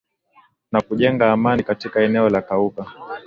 na kujenga amani katika eneo la Cauca